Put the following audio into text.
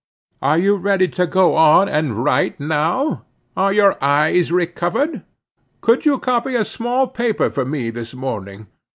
"Are you ready to go on and write now? Are your eyes recovered? Could you copy a small paper for me this morning?